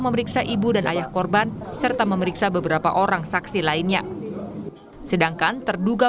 memeriksa ibu dan ayah korban serta memeriksa beberapa orang saksi lainnya sedangkan terduga